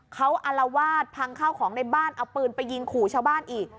เขาอารวาสพังข้าวของในบ้านเอาปืนไปยิงขู่ชาวบ้านอีก